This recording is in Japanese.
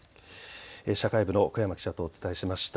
社会部の小山記者とお伝えしました。